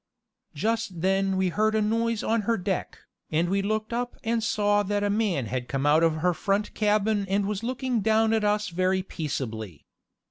Just then we heard a noise on her deck, and we looked up and saw that a man had come out of her front cabin and was looking down at us very peaceably.